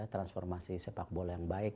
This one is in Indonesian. transformasi sepak bola yang baik